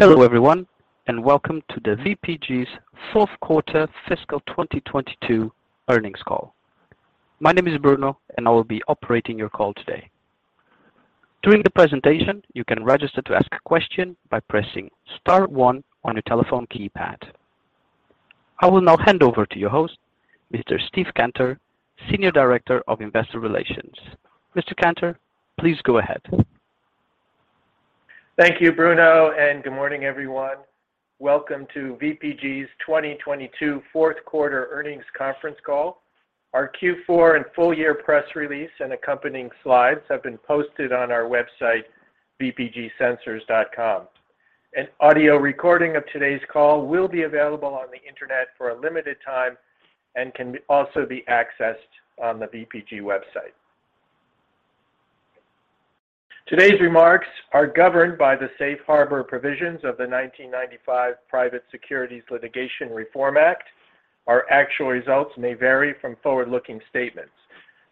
Hello everyone, welcome to the VPG's fourth quarter fiscal 2022 earnings call. My name is Bruno, I will be operating your call today. During the presentation, you can register to ask a question by pressing star one on your telephone keypad. I will now hand over to your host, Mr. Steve Cantor, Senior Director of Investor Relations. Mr. Cantor, please go ahead. Thank you, Bruno, and good morning, everyone. Welcome to VPG's 2022 fourth quarter earnings conference call. Our Q4 and full year press release and accompanying slides have been posted on our website, vpgsensors.com. An audio recording of today's call will be available on the Internet for a limited time and can also be accessed on the VPG website. Today's remarks are governed by the Safe Harbor provisions of the 1995 Private Securities Litigation Reform Act. Our actual results may vary from forward-looking statements.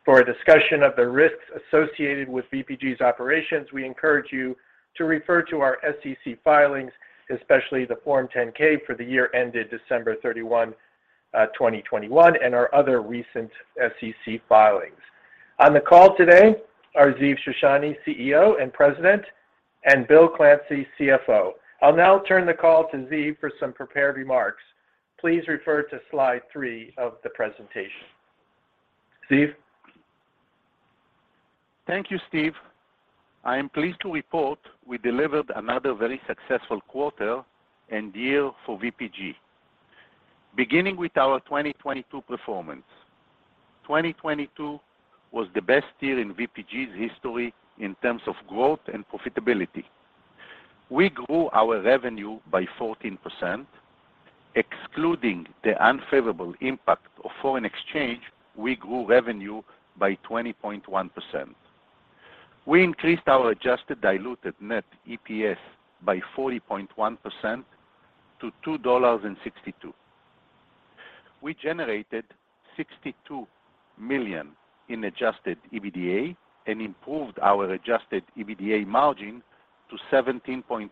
For a discussion of the risks associated with VPG's operations, we encourage you to refer to our SEC filings, especially the Form 10-K for the year ended December 31, 2021, and our other recent SEC filings. On the call today are Ziv Shoshani, CEO and President, and Bill Clancy, CFO. I'll now turn the call to Ziv for some prepared remarks. Please refer to slide three of the presentation. Ziv? Thank you, Steve. I am pleased to report we delivered another very successful quarter and year for VPG. Beginning with our 2022 performance. 2022 was the best year in VPG's history in terms of growth and profitability. We grew our revenue by 14%. Excluding the unfavorable impact of foreign exchange, we grew revenue by 20.1%. We increased our adjusted diluted net EPS by 40.1% to $2.62. We generated $62 million in adjusted EBITDA and improved our adjusted EBITDA margin to 17.1%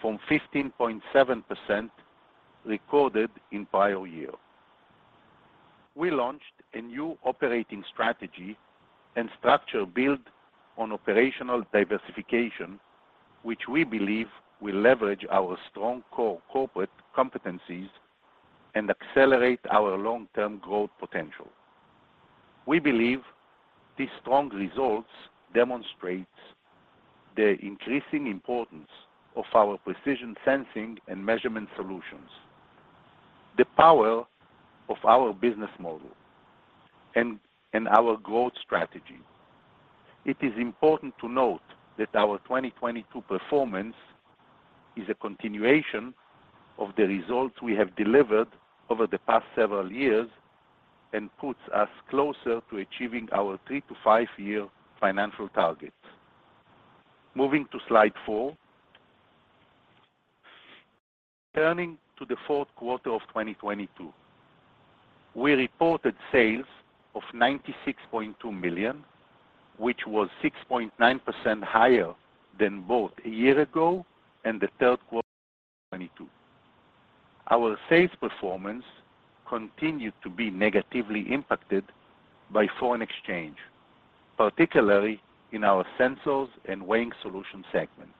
from 15.7% recorded in prior year. We launched a new operating strategy and structure built on operational diversification, which we believe will leverage our strong core corporate competencies and accelerate our long-term growth potential. We believe these strong results demonstrate the increasing importance of our precision sensing and measurement solutions, the power of our business model, and our growth strategy. It is important to note that our 2022 performance is a continuation of the results we have delivered over the past several years and puts us closer to achieving our three-to-five year financial targets. Moving to slide four. Turning to the fourth quarter of 2022, we reported sales of $96.2 million, which was 6.9% higher than both a year ago and the third quarter of 2022. Our sales performance continued to be negatively impacted by foreign exchange, particularly in our sensors and weighing solution segments.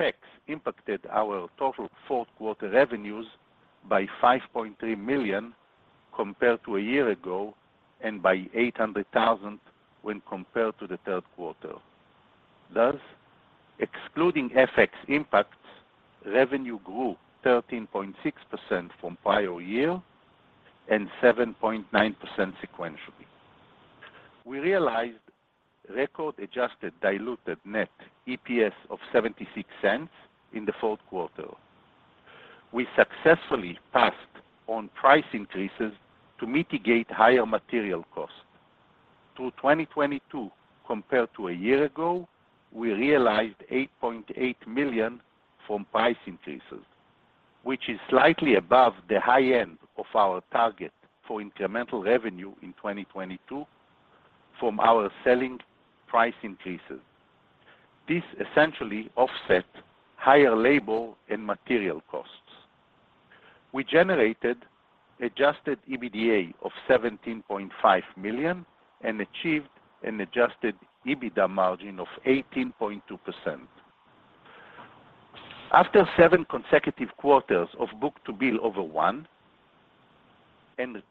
FX impacted our total fourth quarter revenues by $5.3 million compared to a year ago and by $800,000 when compared to the third quarter. Thus, excluding FX impacts, revenue grew 13.6% from prior year and 7.9% sequentially. We realized record adjusted diluted net EPS of $0.76 in the fourth quarter. We successfully passed on price increases to mitigate higher material costs. Through 2022 compared to a year ago, we realized $8.8 million from price increases, which is slightly above the high end of our target for incremental revenue in 2022 from our selling price increases. This essentially offset higher labor and material costs. We generated adjusted EBITDA of $17.5 million and achieved an adjusted EBITDA margin of 18.2%. After seven consecutive quarters of book-to-bill over 1 and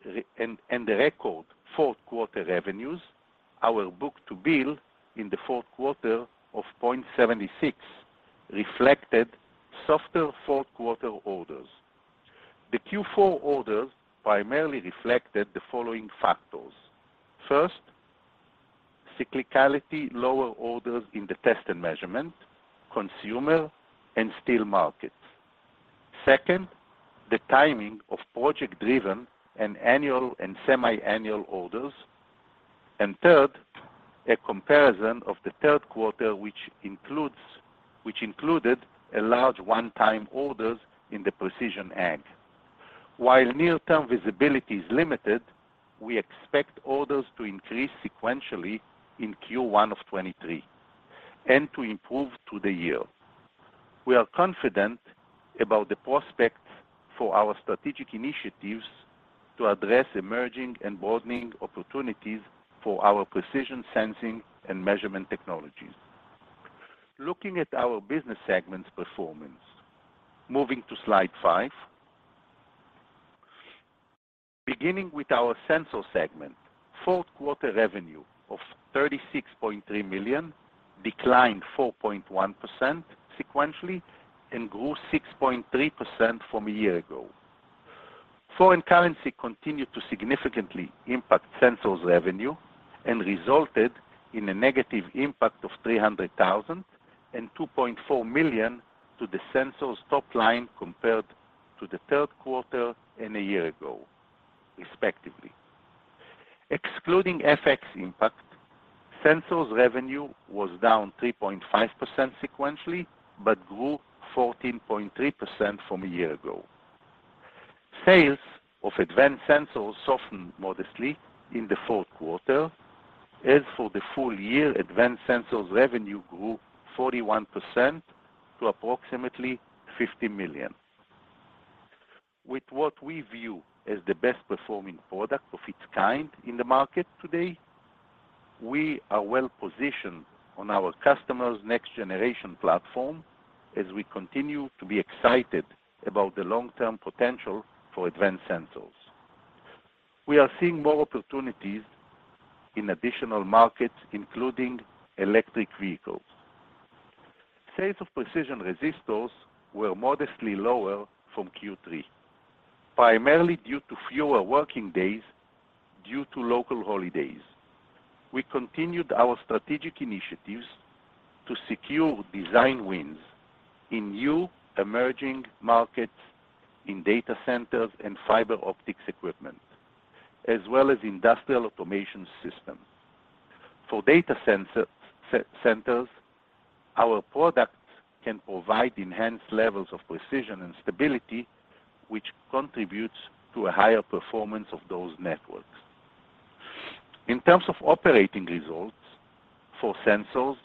a record fourth quarter revenues, our book-to-bill in the fourth quarter of 0.76 reflected softer fourth quarter orders. The Q4 orders primarily reflected the following factors. First, cyclicality lower orders in the test and measurement, consumer, and steel markets. Second, the timing of project-driven and annual and semiannual orders. Third, a comparison of the third quarter, which included a large one-time orders in the precision ag. While near-term visibility is limited, we expect orders to increase sequentially in Q1 of 2023 and to improve through the year. We are confident about the prospects for our strategic initiatives to address emerging and broadening opportunities for our precision sensing and measurement technologies. Looking at our business segments performance, moving to slide five. Beginning with our sensor segment, fourth quarter revenue of $36.3 million declined 4.1% sequentially and grew 6.3% from a year ago. Foreign currency continued to significantly impact Sensors revenue and resulted in a negative impact of $300,000 and $2.4 million to the Sensors top line compared to the third quarter and a year ago, respectively. Excluding FX impact, Sensors revenue was down 3.5% sequentially. Grew 14.3% from a year ago. Sales of Advanced Sensors softened modestly in the fourth quarter as for the full-year Advanced Sensors revenue grew 41% to approximately $50 million. With what we view as the best performing product of its kind in the market today, we are well-positioned on our customers next-generation platform as we continue to be excited about the long-term potential for Advanced Sensors. We are seeing more opportunities in additional markets, including electric vehicles. Sales of precision resistors were modestly lower from Q3, primarily due to fewer working days due to local holidays. We continued our strategic initiatives to secure design wins in new emerging markets, in data centers and fiber optics equipment, as well as industrial automation systems. For data centers, our products can provide enhanced levels of precision and stability, which contributes to a higher performance of those networks. In terms of operating results for sensors,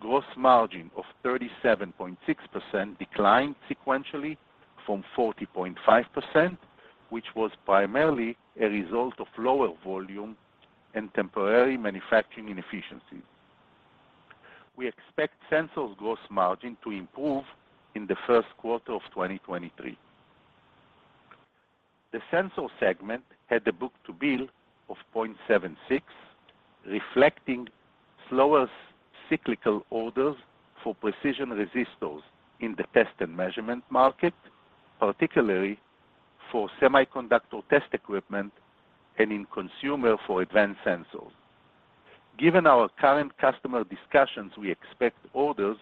gross margin of 37.6% declined sequentially from 40.5%, which was primarily a result of lower volume and temporary manufacturing inefficiencies. We expect sensors gross margin to improve in the first quarter of 2023. The sensor segment had a book-to-bill of 0.76, reflecting slower cyclical orders for precision resistors in the test and measurement market, particularly for semiconductor test equipment and in consumer for Advanced Sensors. Given our current customer discussions, we expect orders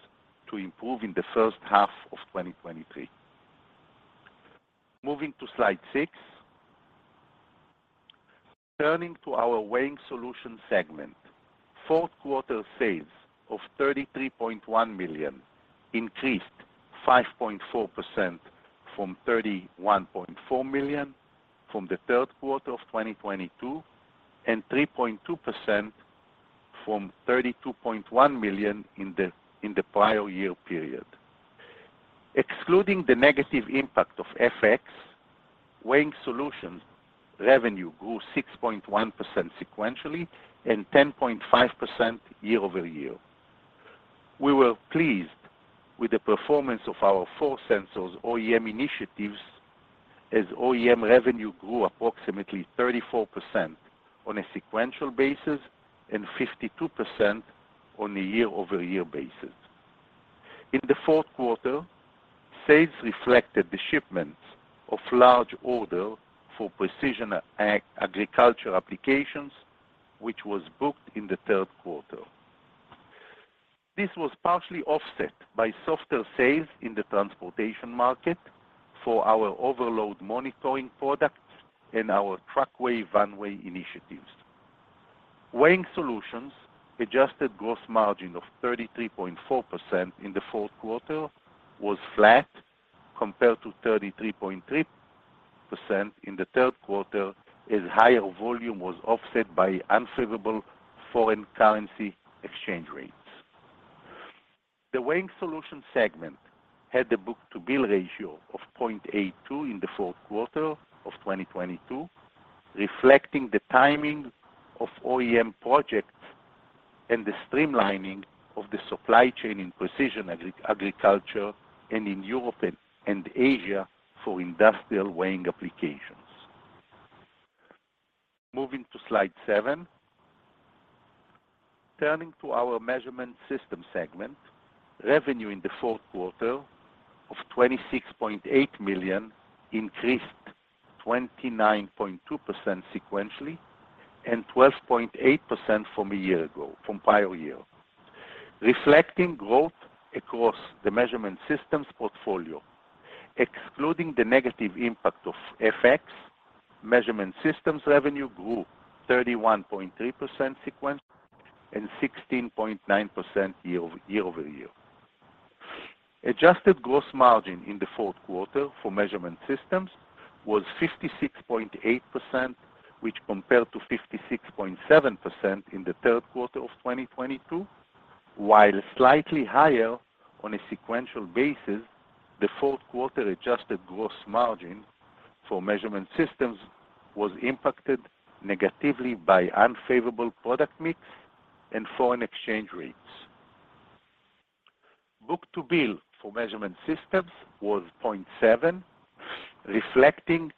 to improve in the first half of 2023. Moving to slide six. Turning to our weighing solutions segment, fourth quarter sales of $33.1 million increased 5.4% from $31.4 million from the third quarter of 2022, and 3.2% from $32.1 million in the prior year period. Excluding the negative impact of FX, weighing solutions revenue grew 6.1% sequentially and 10.5% year-over-year. We were pleased with the performance of our Force Sensors OEM initiatives as OEM revenue grew approximately 34% on a sequential basis and 52% on a year-over-year basis. In the 4th quarter, sales reflected the shipments of large order for precision ag applications, which was booked in the 3rd quarter. This was partially offset by softer sales in the transportation market for our overload monitoring products and our TruckWeigh VanWeigh initiatives. Weighing solutions adjusted gross margin of 33.4% in the 4th quarter was flat compared to 33.3% in the 3rd quarter, as higher volume was offset by unfavorable foreign currency exchange rates. The weighing solutions segment had a book to bill ratio of 0.82 in the fourth quarter of 2022, reflecting the timing of OEM projects and the streamlining of the supply chain in precision agriculture and in Europe and Asia for industrial weighing applications. Moving to slide seven. Turning to our measurement system segment, revenue in the fourth quarter of $26.8 million increased 29.2% sequentially and 12.8% from a year ago, from prior year, reflecting growth across the measurement systems portfolio. Excluding the negative impact of FX, measurement systems revenue grew 31.3% sequentially and 16.9% year over year. Adjusted gross margin in the fourth quarter for measurement systems was 56.8%, which compared to 56.7% in the third quarter of 2022. While slightly higher on a sequential basis, the fourth quarter adjusted gross margin for measurement systems was impacted negatively by unfavorable product mix and foreign exchange rates. book-to-bill for measurement systems was 0.7, reflecting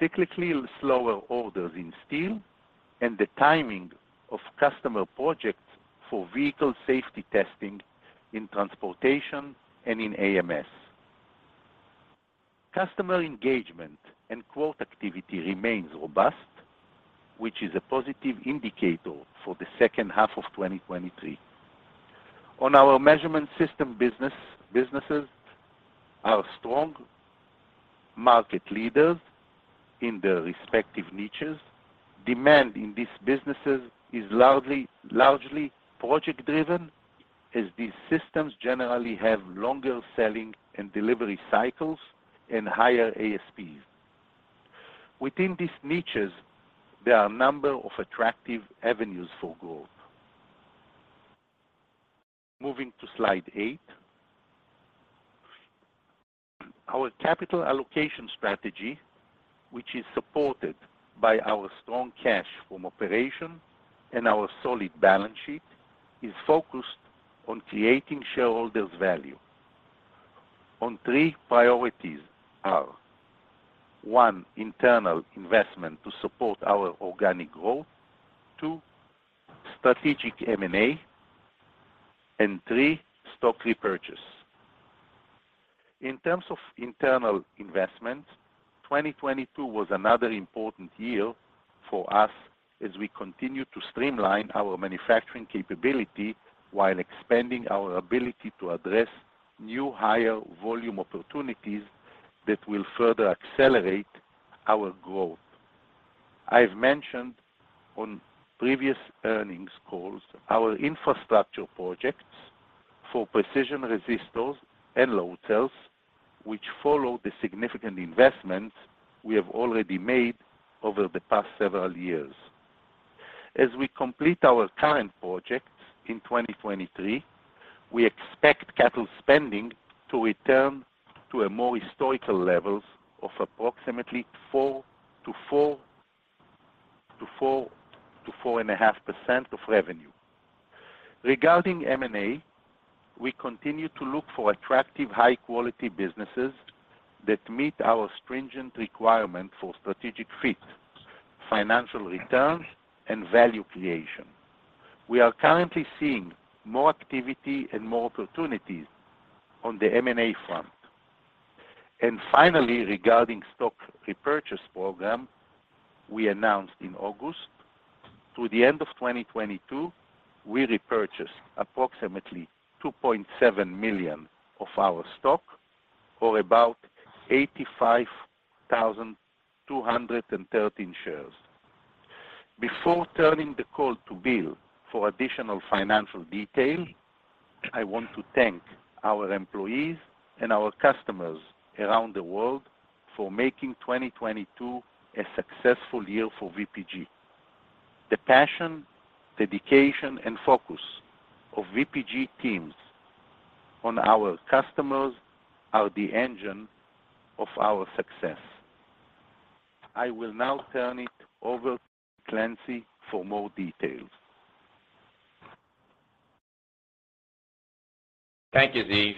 cyclically slower orders in steel and the timing of customer projects for vehicle safety testing in transportation and in AMS. Customer engagement and quote activity remains robust, which is a positive indicator for the second half of 2023. On our measurement system business, businesses are strong market leaders in their respective niches. Demand in these businesses is largely project-driven as these systems generally have longer selling and delivery cycles and higher ASPs. Within these niches, there are a number of attractive avenues for growth. Moving to slide eight. Our capital allocation strategy, which is supported by our strong cash from operation and our solid balance sheet, is focused on creating shareholders value. On three priorities are: One. internal investment to support our organic growth. Two. strategic M&A. Three. stock repurchase. In terms of internal investment, 2022 was another important year for us as we continue to streamline our manufacturing capability while expanding our ability to address new higher volume opportunities that will further accelerate our growth. I've mentioned on previous earnings calls our infrastructure projects for precision resistors and load cells, which follow the significant investments we have already made over the past several years. As we complete our current projects in 2023, we expect capital spending to return to a more historical levels of approximately 4% to 4.5% of revenue. Regarding M&A, we continue to look for attractive, high quality businesses that meet our stringent requirement for strategic fit, financial returns, and value creation. Finally, regarding stock repurchase program we announced in August, through the end of 2022, we repurchased approximately $2.7 million of our stock, or about 85,213 shares. Before turning the call to Bill for additional financial detail, I want to thank our employees and our customers around the world for making 2022 a successful year for VPG. The passion, dedication, and focus of VPG teams on our customers are the engine of our success. I will now turn it over to Clancy for more details. Thank you, Ziv.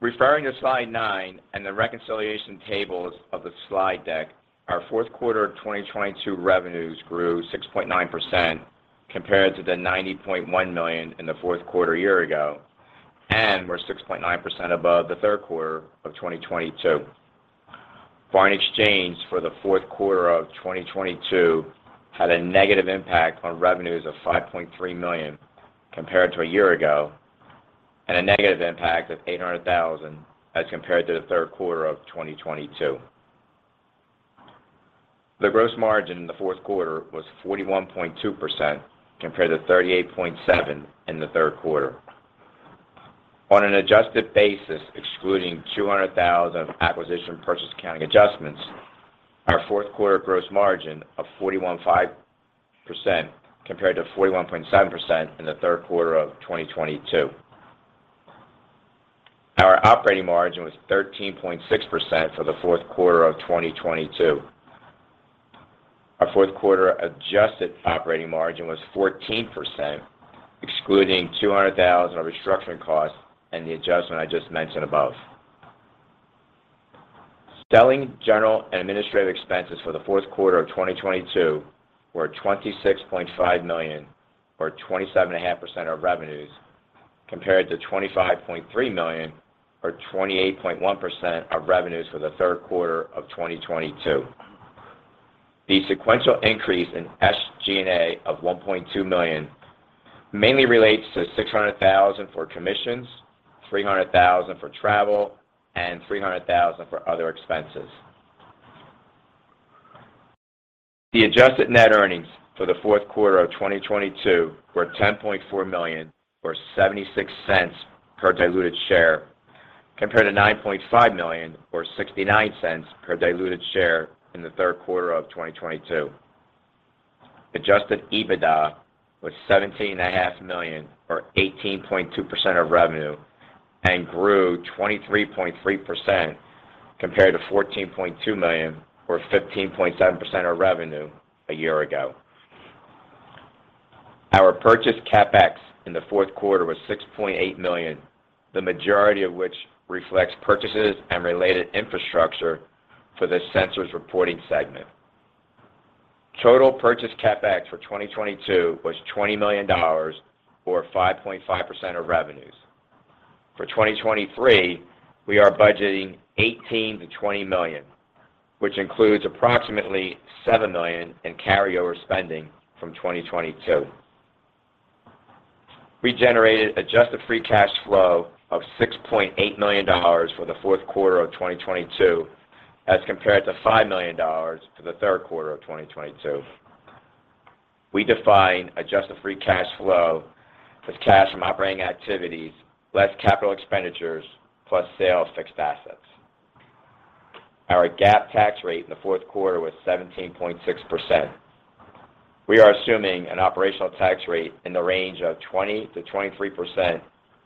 Referring to slide nine and the reconciliation tables of the slide deck, our fourth quarter 2022 revenues grew 6.9% compared to the $90.1 million in the fourth quarter a year ago, and were 6.9% above the third quarter of 2022. Foreign exchange for the fourth quarter of 2022 had a negative impact on revenues of $5.3 million compared to a year ago, and a negative impact of $800,000 as compared to the third quarter of 2022. The gross margin in the fourth quarter was 41.2% compared to 38.7% in the third quarter. On an adjusted basis, excluding $200,000 of acquisition purchase accounting adjustments, our fourth quarter gross margin of 41.5% compared to 41.7% in the third quarter of 2022. Our operating margin was 13.6% for the fourth quarter of 2022. Our fourth quarter adjusted operating margin was 14%, excluding $200,000 of restructuring costs and the adjustment I just mentioned above. Selling, general, and administrative expenses for the fourth quarter of 2022 were $26.5 million or 27.5% of revenues, compared to $25.3 million or 28.1% of revenues for the third quarter of 2022. The sequential increase in SG&A of $1.2 million mainly relates to $600,000 for commissions, $300,000 for travel, and $300,000 for other expenses. The adjusted net earnings for the fourth quarter of 2022 were $10.4 million, or $0.76 per diluted share, compared to $9.5 million or $0.69 per diluted share in the third quarter of 2022. Adjusted EBITDA was $17.5 million or 18.2% of revenue and grew 23.3% compared to $14.2 million or 15.7% of revenue a year ago. Our purchase CapEx in the fourth quarter was $6.8 million, the majority of which reflects purchases and related infrastructure for the sensors reporting segment. Total purchase CapEx for 2022 was $20 million or 5.5% of revenues. For 2023, we are budgeting $18 million-$20 million, which includes approximately $7 million in carryover spending from 2022. We generated adjusted free cash flow of $6.8 million for the fourth quarter of 2022 as compared to $5 million for the third quarter of 2022. We define adjusted free cash flow as cash from operating activities less capital expenditures plus sale of fixed assets. Our GAAP tax rate in the fourth quarter was 17.6%. We are assuming an operational tax rate in the range of 20%-23%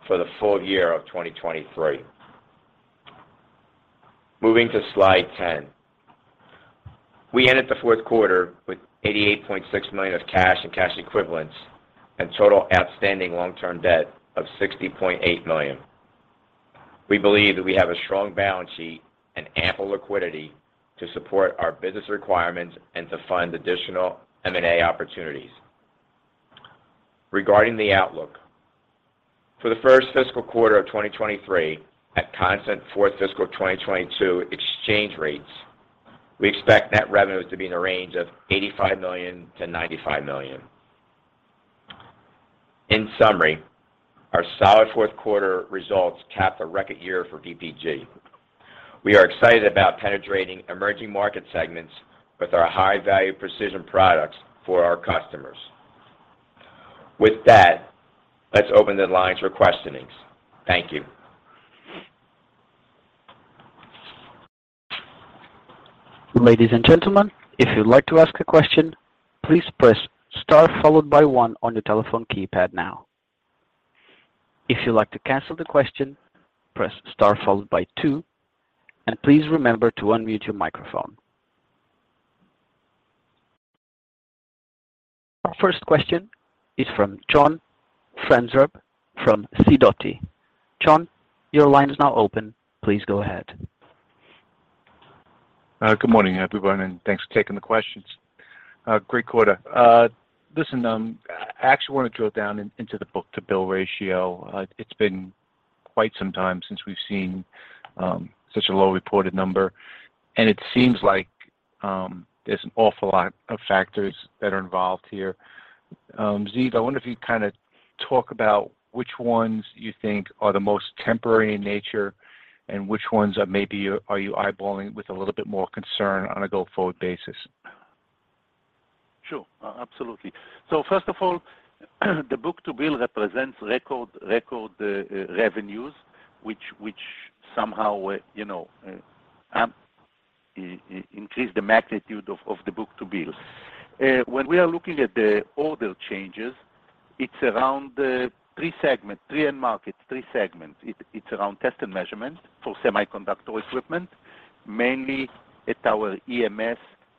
for the full year of 2023. Moving to slide 10. We ended the fourth quarter with $88.6 million of cash and cash equivalents and total outstanding long-term debt of $60.8 million. We believe that we have a strong balance sheet and ample liquidity to support our business requirements and to fund additional M&A opportunities. Regarding the outlook, for the first fiscal quarter of 2023 at constant fourth fiscal of 2022 exchange rates, we expect net revenues to be in the range of $85 million-$95 million. In summary, our solid fourth quarter results capped a record year for VPG. We are excited about penetrating emerging market segments with our high-value precision products for our customers. With that, let's open the lines for questionings. Thank you. Ladies and gentlemen, if you'd like to ask a question, please press star followed by one on your telephone keypad now. If you'd like to cancel the question, press star followed by two, and please remember to unmute your microphone. Our first question is from John Franzreb from Sidoti. John, your line is now open. Please go ahead. Good morning, everyone, and thanks for taking the questions. Great quarter. Listen, I actually want to drill down into the book-to-bill ratio. It's been quite some time since we've seen such a low reported number. It seems like there's an awful lot of factors that are involved here. Ziv, I wonder if you'd kinda talk about which ones you think are the most temporary in nature and which ones are maybe you eyeballing with a little bit more concern on a go-forward basis? Sure. Absolutely. First of all, the book-to-bill represents record revenues, which somehow, you know, increase the magnitude of the book-to-bill. When we are looking at the order changes, it's around three end markets, three segments. It's around test and measurement for semiconductor equipment, mainly at our EMS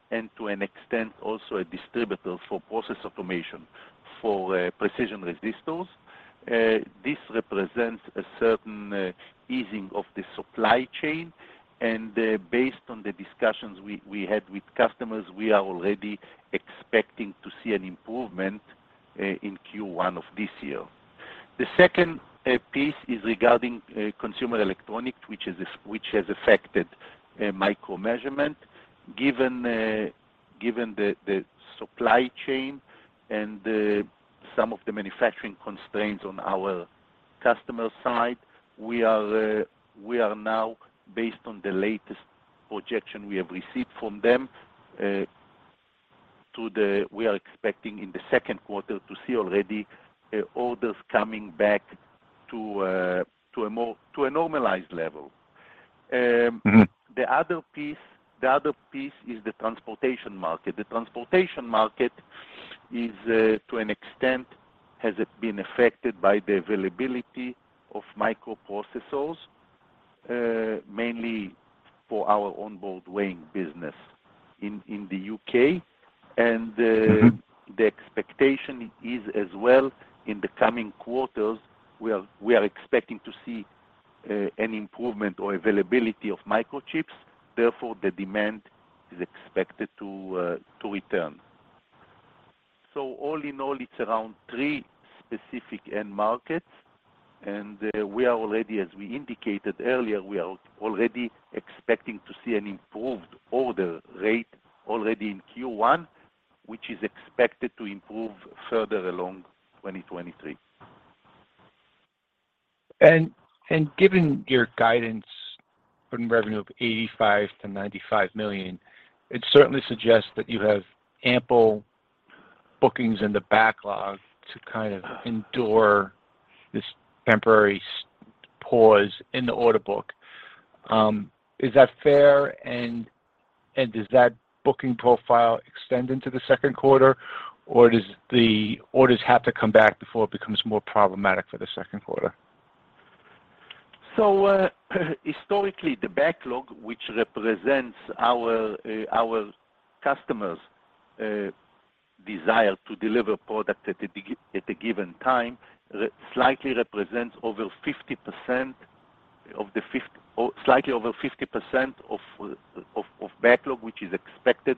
and to an extent also a distributor for process automation for precision resistors. This represents a certain easing of the supply chain, based on the discussions we had with customers, we are already expecting to see an improvement in Q1 of this year. The second piece is regarding consumer electronics, which has affected Micro-Measurements. Given the supply chain and some of the manufacturing constraints on our customer side, we are now based on the latest projection we have received from them, we are expecting in the second quarter to see already orders coming back to a normalized level. Mm-hmm. The other piece is the transportation market. The transportation market is to an extent, has been affected by the availability of microprocessors, mainly for our onboard weighing business in the U.K. Mm-hmm. The expectation is as well in the coming quarters, we are expecting to see an improvement or availability of microchips, therefore, the demand is expected to return. All in all, it's around three specific end markets, and we are already, as we indicated earlier, we are already expecting to see an improved order rate already in Q1, which is expected to improve further along 2023. Given your guidance from revenue of $85 million-$95 million, it certainly suggests that you have ample bookings in the backlog to kind of endure this temporary pause in the order book. Is that fair? Does that booking profile extend into the second quarter? Or does the orders have to come back before it becomes more problematic for the second quarter? Historically, the backlog, which represents our customers' desire to deliver product at a given time, slightly represents over 50% or slightly over 50% of backlog, which is expected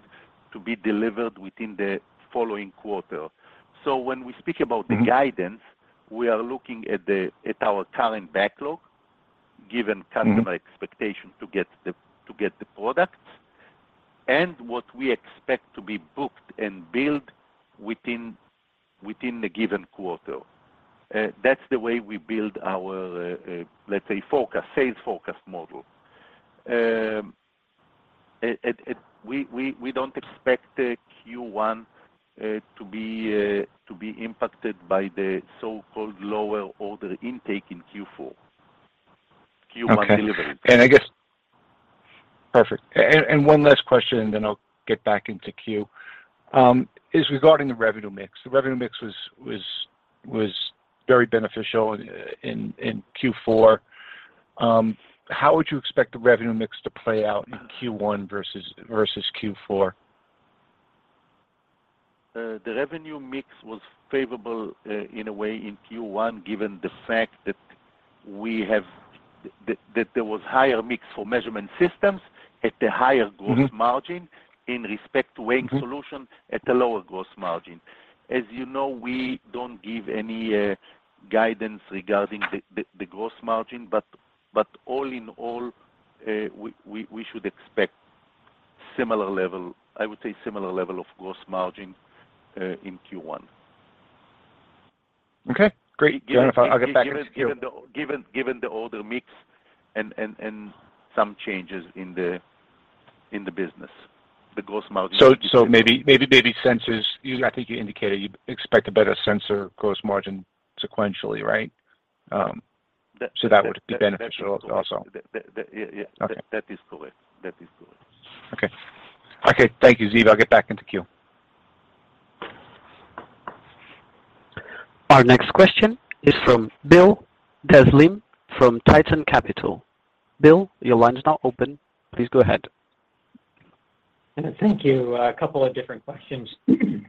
to be delivered within the following quarter. When we speak about the guidance, we are looking at our current backlog, given customer expectation to get the products, and what we expect to be booked and built within the given quarter. That's the way we build our, let's say, forecast, sales forecast model. We don't expect the Q1 to be impacted by the so-called lower order intake in Q4. Q1 deliveries. Okay. I guess. Perfect. One last question, and then I'll get back into queue, is regarding the revenue mix. The revenue mix was very beneficial in Q4. How would you expect the revenue mix to play out in Q1 versus Q4? The revenue mix was favorable in a way in Q1, given the fact that there was higher mix for measurement systems at a higher gross margin in respect to weighing solution at a lower gross margin. As you know, we don't give any guidance regarding the gross margin, all in all, we should expect similar level, I would say similar level of gross margin in Q1. Okay, great. Given. John, I'll get back into queue.... given the order mix and some changes in the business, the gross margin should be similar. Maybe sensors, I think you indicated you expect a better sensor gross margin sequentially, right? That would be beneficial also. that. yeah. Okay. That is correct. That is correct. Okay. Okay. Thank you, Ziv. I'll get back into queue. Our next question is from Bill Dezellem from Tieton Capital. Bill, your line is now open. Please go ahead. Thank you. A couple of different questions.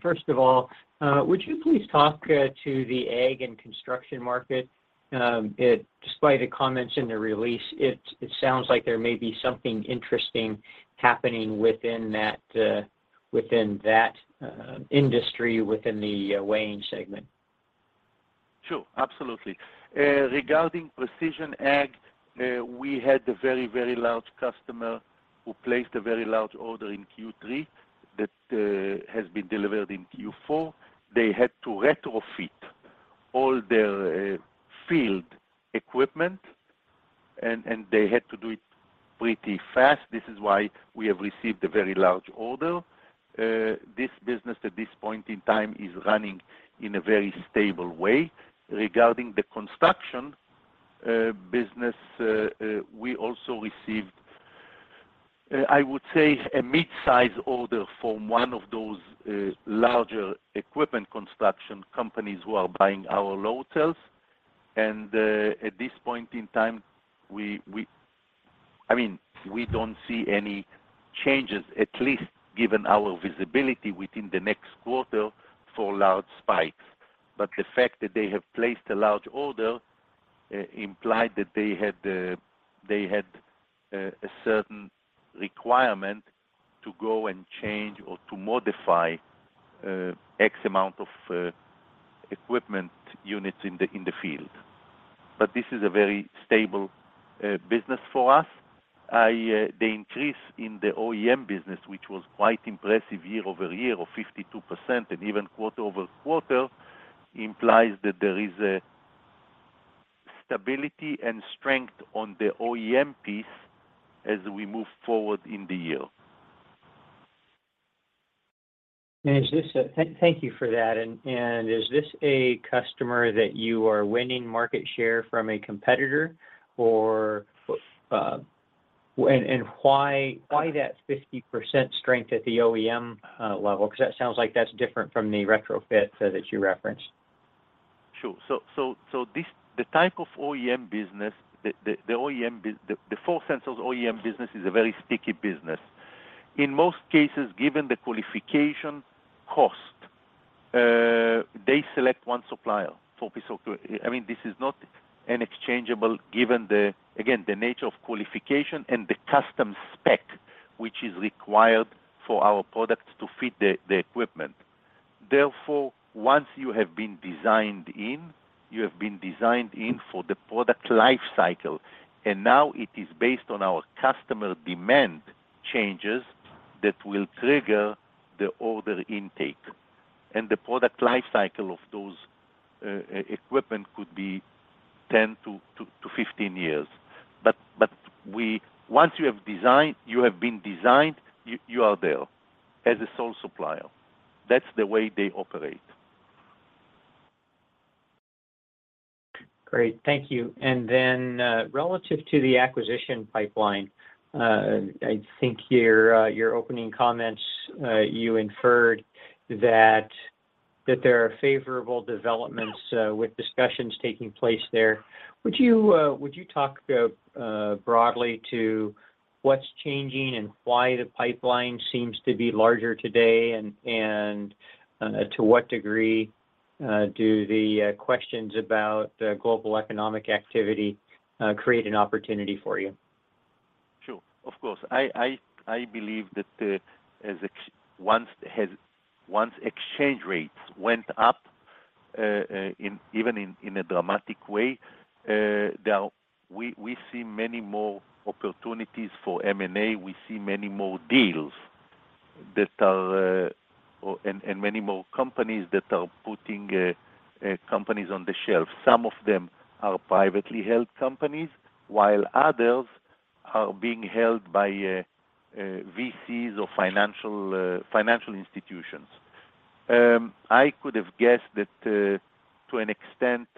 First of all, would you please talk to the ag and construction market? Despite the comments in the release, it sounds like there may be something interesting happening within that industry within the weighing segment. Sure. Absolutely. Regarding precision ag, we had a very, very large customer who placed a very large order in Q3 that has been delivered in Q4. They had to retrofit all their field equipment, and they had to do it pretty fast. This is why we have received a very large order. This business at this point in time is running in a very stable way. Regarding the construction business, we also received, I would say a mid-size order from one of those larger equipment construction companies who are buying our load cells. At this point in time, we... I mean, we don't see any changes, at least given our visibility within the next quarter for large spikes. The fact that they have placed a large order implied that they had a certain requirement to go and change or to modify X amount of equipment units in the field. This is a very stable business for us. Yeah, the increase in the OEM business, which was quite impressive year-over-year of 52% and even quarter-over-quarter, implies that there is a stability and strength on the OEM piece as we move forward in the year. Thank you for that. Is this a customer that you are winning market share from a competitor or...? Why that 50% strength at the OEM level? That sounds like that's different from the retrofit that you referenced. Sure. This, the type of OEM business, the Force Sensors OEM business is a very sticky business. In most cases, given the qualification cost, they select one supplier for piece of good. I mean, this is not an exchangeable given again, the nature of qualification and the custom spec, which is required for our products to fit the equipment. Therefore, once you have been designed in, you have been designed in for the product life cycle, and now it is based on our customer demand changes that will trigger the order intake. The product life cycle of those equipment could be 10 to 15 years. Once you have designed, you have been designed, you are there as a sole supplier. That's the way they operate. Great. Thank you. Then, relative to the acquisition pipeline, I think your opening comments, you inferred that there are favorable developments with discussions taking place there. Would you talk broadly to what's changing and why the pipeline seems to be larger today, and to what degree do the questions about global economic activity create an opportunity for you? Sure. Of course. I believe that, Once exchange rates went up, even in a dramatic way, we see many more opportunities for M&A. We see many more deals. Many more companies that are putting companies on the shelf. Some of them are privately held companies, while others are being held by VCs or financial institutions. I could have guessed that to an extent,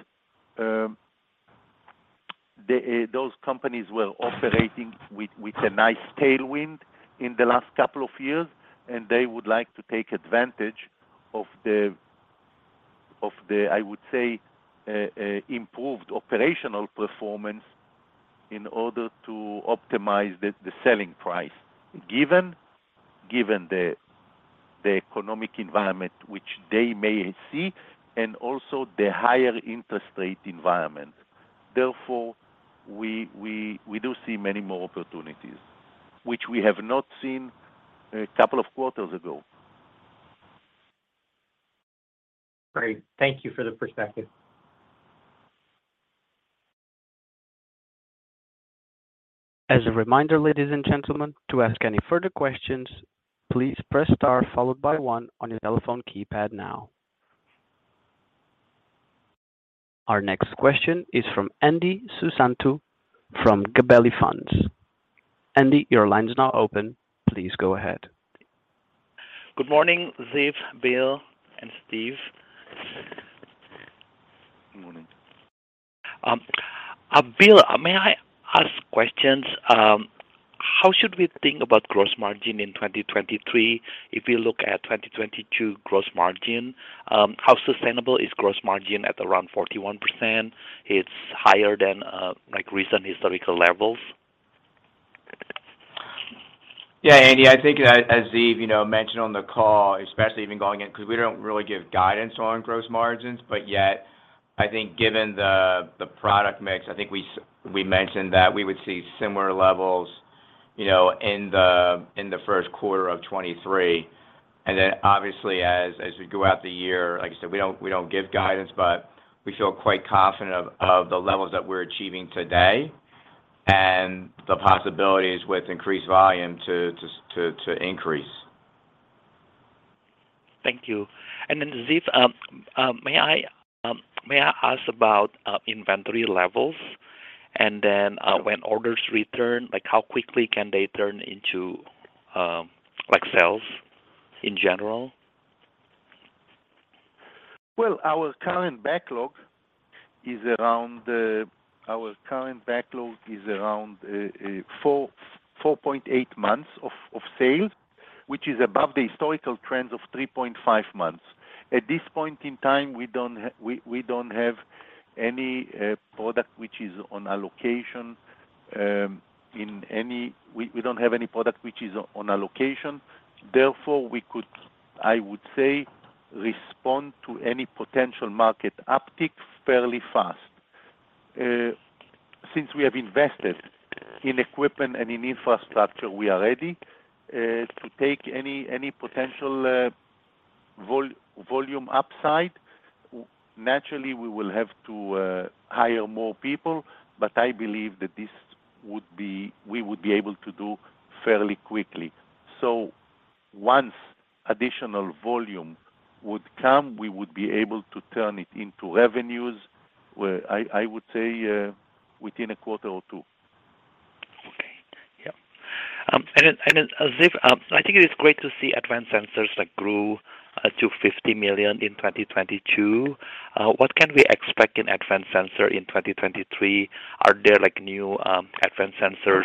the those companies were operating with a nice tailwind in the last couple of years, and they would like to take advantage of the, I would say, improved operational performance in order to optimize the selling price, given the economic environment which they may see and also the higher interest rate environment. Therefore, we do see many more opportunities which we have not seen a couple of quarters ago. Great. Thank you for the perspective. As a reminder, ladies and gentlemen, to ask any further questions, please press star followed by one on your telephone keypad now. Our next question is from Hendi Susanto from Gabelli Funds. Andy, your line is now open. Please go ahead. Good morning, Ziv, Bill, and Steve. Morning. Bill, may I ask questions? How should we think about gross margin in 2023? If you look at 2022 gross margin, how sustainable is gross margin at around 41%? It's higher than, like recent historical levels. Andy, I think as Ziv, you know, mentioned on the call, especially even going in, 'cause we don't really give guidance on gross margins. Yet I think given the product mix, I think we mentioned that we would see similar levels, you know, in the first quarter of 2023. Obviously as we go out the year, like I said, we don't give guidance, we feel quite confident of the levels that we're achieving today and the possibilities with increased volume to increase. Thank you. Ziv, may I ask about inventory levels? When orders return, like how quickly can they turn into, like sales in general? Well, our current backlog is around 4.8 months of sales, which is above the historical trends of 3.5 months. At this point in time, we don't have any product which is on allocation. We could, I would say, respond to any potential market uptick fairly fast. We have invested in equipment and in infrastructure, we are ready to take any potential volume upside. Naturally, we will have to hire more people, I believe that this would be, we would be able to do fairly quickly. Once additional volume would come, we would be able to turn it into revenues where I would say, within a quarter or two. Okay. Yeah. And then Ziv, I think it is great to see Advanced Sensors that grew to $50 million in 2022. What can we expect in Advanced Sensors in 2023? Are there like new Advanced Sensors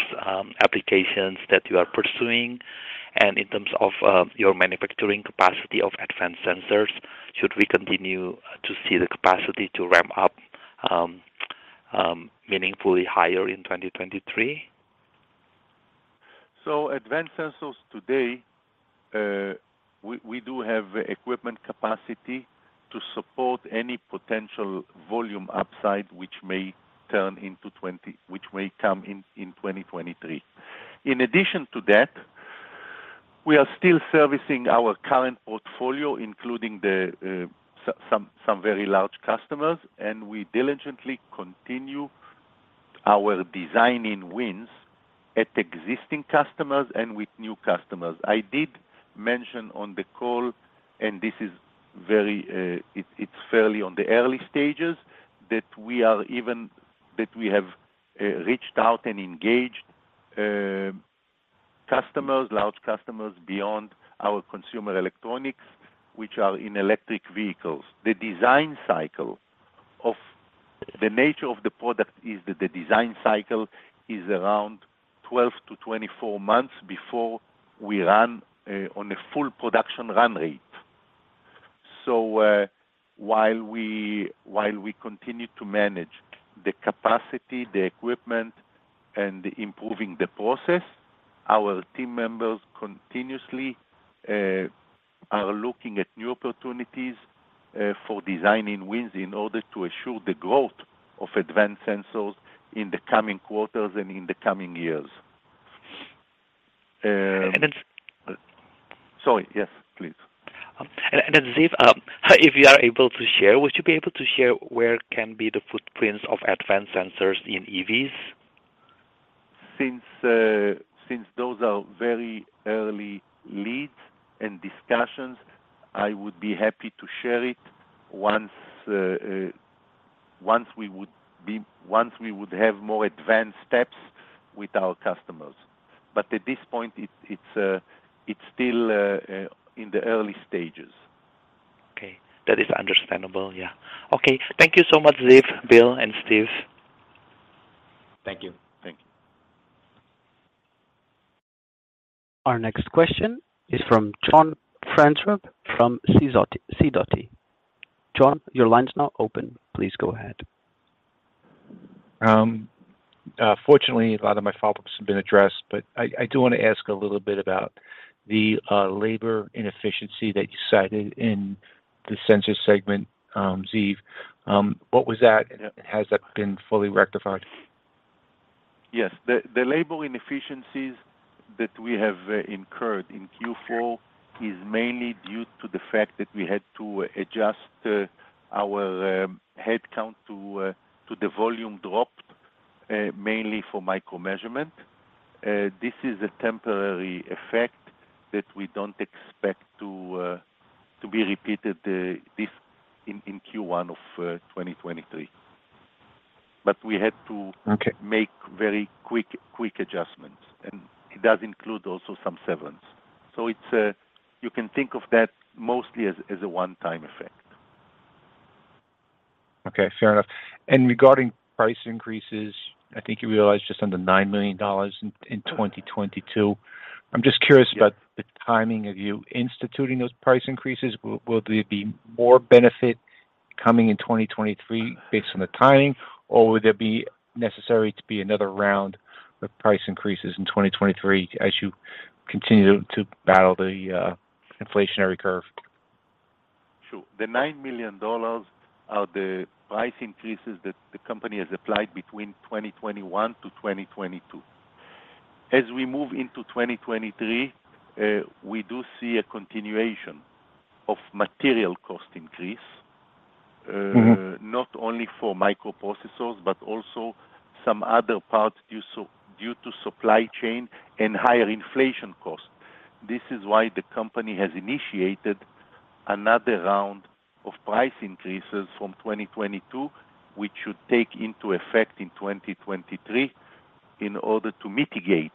applications that you are pursuing? In terms of your manufacturing capacity of Advanced Sensors, should we continue to see the capacity to ramp up meaningfully higher in 2023? Advanced Sensors today, we do have equipment capacity to support any potential volume upside which may come in 2023. In addition to that, we are still servicing our current portfolio, including some very large customers, and we diligently continue our design-in wins at existing customers and with new customers. I did mention on the call, and this is very, it's fairly on the early stages, that we have reached out and engaged customers, large customers beyond our consumer electronics, which are in electric vehicles. The design cycle of the nature of the product is that the design cycle is around 12 to 24 months before we run on a full production run rate. While we continue to manage the capacity, the equipment, and improving the process, our team members continuously are looking at new opportunities for design-in wins in order to assure the growth of Advanced Sensors in the coming quarters and in the coming years. And then- Sorry, yes, please. Ziv, if you are able to share, would you be able to share where can be the footprints of Advanced Sensors in EVs? Since those are very early leads and discussions, I would be happy to share it once we would have more advanced steps with our customers. At this point, it's still in the early stages. Okay. That is understandable, yeah. Okay, thank you so much, Ziv, Bill, and Steve. Thank you. Thank you. Our next question is from John Franzreb from Sidoti. John, your line's now open. Please go ahead. Fortunately, a lot of my follow-ups have been addressed. I do wanna ask a little bit about the labor inefficiency that you cited in the sensor segment, Ziv. What was that, and has that been fully rectified? Yes. The labor inefficiencies that we have incurred in Q4 is mainly due to the fact that we had to adjust our headcount to the volume dropped, mainly for Micro-Measurements. This is a temporary effect that we don't expect to be repeated in Q1 of 2023. We had to- Okay. -make very quick adjustments, and it does include also some severance. It's. You can think of that mostly as a one-time effect. Okay. Fair enough. Regarding price increases, I think you realized just under $9 million in 2022. I'm just curious about the timing of you instituting those price increases. Will there be more benefit coming in 2023 based on the timing, or would there be necessary to be another round of price increases in 2023 as you continue to battle the inflationary curve? Sure. The $9 million are the price increases that the company has applied between 2021 to 2022. As we move into 2023, we do see a continuation of material cost increase. Mm-hmm. Not only for microprocessors, but also some other parts due to supply chain and higher inflation costs. This is why the company has initiated another round of price increases from 2022, which should take into effect in 2023 in order to mitigate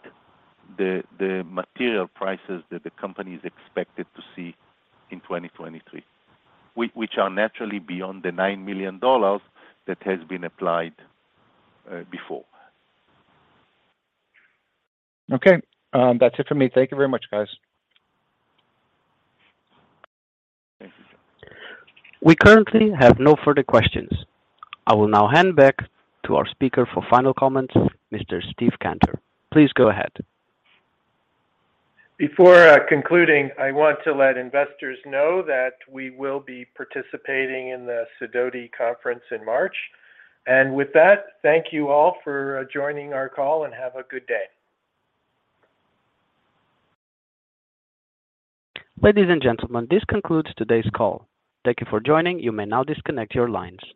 the material prices that the company is expected to see in 2023, which are naturally beyond the $9 million that has been applied before. Okay. That's it for me. Thank you very much, guys. Thank you. We currently have no further questions. I will now hand back to our speaker for final comments, Mr. Steve Cantor. Please go ahead. Before, concluding, I want to let investors know that we will be participating in the Sidoti Conference in March. With that, thank you all for joining our call, and have a good day. Ladies and gentlemen, this concludes today's call. Thank you for joining. You may now disconnect your lines.